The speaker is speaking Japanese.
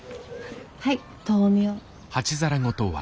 はい豆苗。